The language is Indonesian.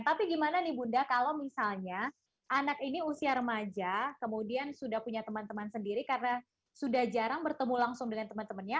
tapi gimana nih bunda kalau misalnya anak ini usia remaja kemudian sudah punya teman teman sendiri karena sudah jarang bertemu langsung dengan teman temannya